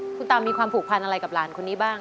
คุณตามีความผูกพันอะไรกับหลานคนนี้บ้าง